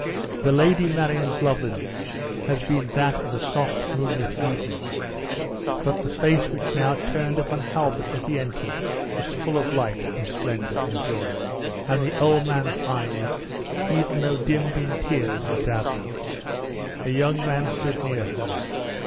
The Lady Marion's loveliness had been that of a soft moonlight evening; but the face which now turned upon Halbert as he entered, was "full of light, and splendor, and joy;" and the old man's eyes, even though dimmed in tears, were dazzled. A young man stood near her.